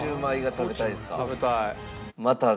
食べたい。